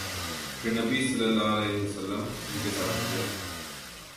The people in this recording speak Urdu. پھر نبی صلی اللہ علیہ وسلم ان کے ساتھ نکلے